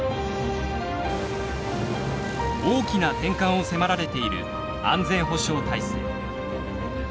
大きな転換を迫られている安全保障体制。